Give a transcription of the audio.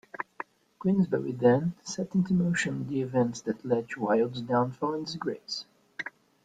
Queensberry then set into motion the events that led to Wilde's downfall and disgrace.